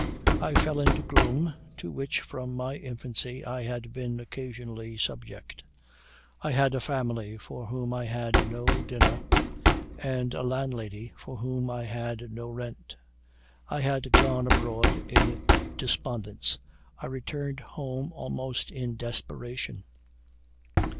I fell into gloom, to which from my infancy I had been occasionally subject. I had a family for whom I had no dinner, and a landlady for whom I had no rent. I had gone abroad in despondence I returned home almost in desperation.